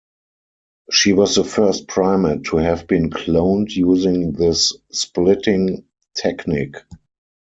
She was the first primate to have been cloned using this "splitting" technique.